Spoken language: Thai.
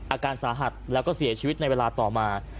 อาการสาหัสแล้วก็เสียชีวิตในเวลาต่อมา